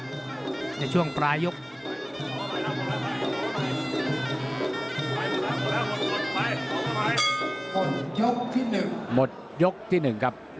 เรื่อยในช่วงปลายก็หมดยกที่หนึ่งครับ